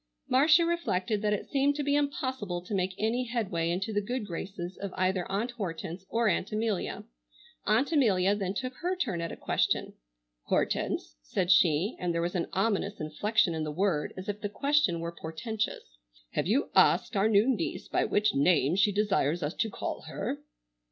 Marcia reflected that it seemed to be impossible to make any headway into the good graces of either Aunt Hortense or Aunt Amelia. Aunt Amelia then took her turn at a question. "Hortense," said she, and there was an ominous inflection in the word as if the question were portentous, "have you asked our new niece by what name she desires us to call her?"